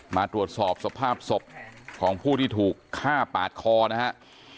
มาตรวจสอบสภาพศพของผู้ที่ถูกฆ่าปาดคอนะครับ